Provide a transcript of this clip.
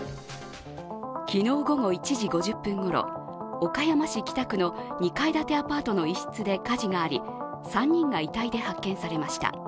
昨日午後１時５０分ごろ岡山市北区の２階建てアパートの一室で火事があり３人が遺体で発見されました。